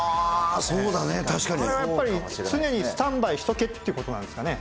あれはやっぱり、常にスタンバイしとけってことなんですかね。